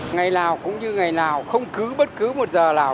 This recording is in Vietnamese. ngày nào cũng như ngày nào không cứ bất cứ một giờ nào